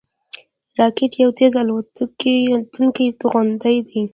راکټ یو تېز الوتونکی توغندی دی